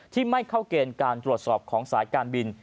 ไม่เข้าเกณฑ์การตรวจสอบของสายการบิน